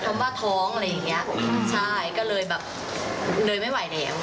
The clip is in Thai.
ว่าท้องอะไรอย่างเงี้ยใช่ก็เลยแบบเลยไม่ไหวแล้ว